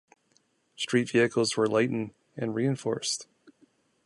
Street vehicles were lightened and reinforced.